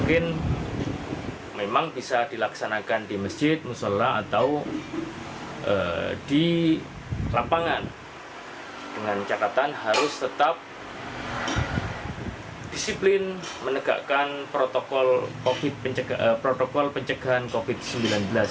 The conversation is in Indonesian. penyelenggara di jawa timur yang mencakatan harus tetap disiplin menegakkan protokol pencegahan covid sembilan belas